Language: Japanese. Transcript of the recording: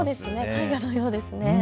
絵画のようですね。